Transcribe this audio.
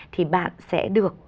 thì bạn sẽ được